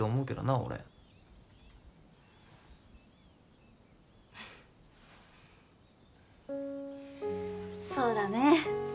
俺そうだね